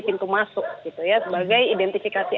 pintu masuk sebagai identifikasi